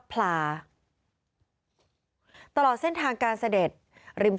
ในเวลาเดิมคือ๑๕นาทีครับ